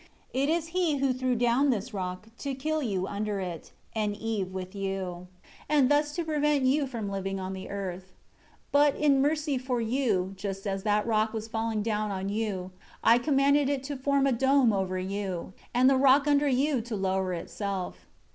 It is he who threw down this rock to kill you under it, and Eve with you, and thus to prevent you from living on the earth. 7 But, in mercy for you, just as that rock was falling down on you, I commanded it to form an dome over you; and the rock under you to lower itself.